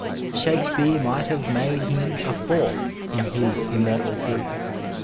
Shakespeare might have made him a fourth in his immortal group.